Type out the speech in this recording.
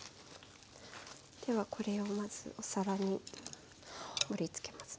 ではこれをまずお皿に盛りつけますね。